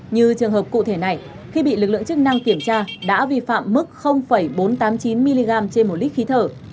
như trường hợp cụ thể này khi bị lực lượng chức năng kiểm tra đã vi phạm mức bốn trăm tám mươi chín mg trên một lít khí thở